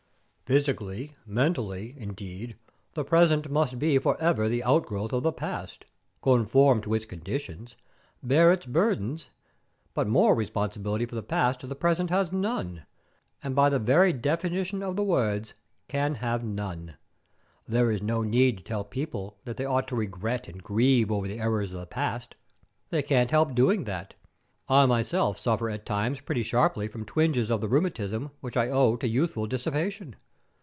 Physically, mentally, indeed, the present must be for ever the outgrowth of the past, conform to its conditions, bear its burdens; but moral responsibility for the past the present has none, and by the very definition of the words can have none. There is no need to tell people that they ought to regret and grieve over the errors of the past. They can't help doing that. I myself suffer at times pretty sharply from twinges of the rheumatism which I owe to youthful dissipation.